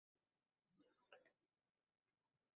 Ipak qurti urug‘i importiga chek qo‘yilading